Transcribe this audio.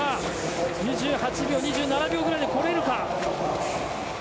２８秒、２７秒ぐらいで来れるか。